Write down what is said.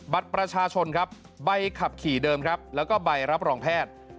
บัตรประชาชนครับใบขับขี่เดิมครับแล้วก็ใบรับรองแพทย์